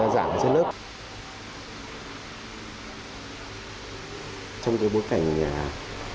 trong bối cảnh công nghệ thông tin